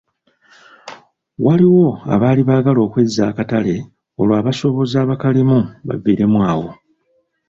Waliwo abaali baagala okwezza akatale olwo abasuubuzi abakalimu bavireemu awo.